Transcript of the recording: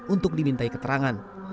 untuk dimintai keterangan